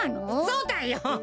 そうだよ。